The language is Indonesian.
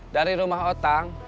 dari rumah otang